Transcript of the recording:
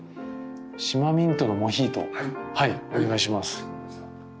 島ミントのモヒートお願いします。